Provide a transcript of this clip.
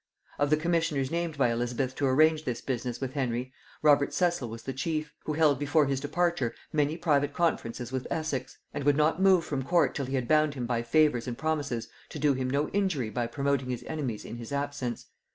Of the commissioners named by Elizabeth to arrange this business with Henry, Robert Cecil was the chief; who held before his departure many private conferences with Essex, and would not move from court till he had bound him by favors and promises to do him no injury by promoting his enemies in his absence.